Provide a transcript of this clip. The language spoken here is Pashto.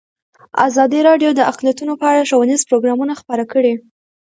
ازادي راډیو د اقلیتونه په اړه ښوونیز پروګرامونه خپاره کړي.